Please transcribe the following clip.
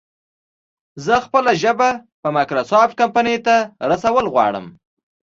زه خپله ژبه په مايکروسافټ کمپنۍ ته رسول غواړم